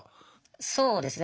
そうですね